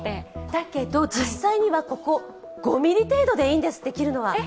だけど、実際にはここ、５ｍｍ程度でいいんですって。